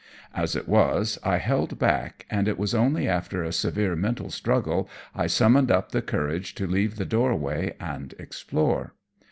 As it was, I held back, and it was only after a severe mental struggle I summoned up the courage to leave the doorway and explore.